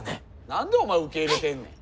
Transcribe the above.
何でお前受け入れてんねん。